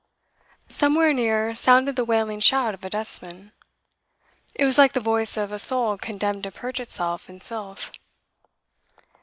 Somewhere near sounded the wailing shout of a dustman. It was like the voice of a soul condemned to purge itself in filth.